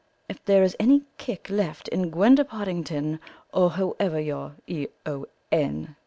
If there is any kick left in Gwenda Pottingdon, or whoever your E.O.N.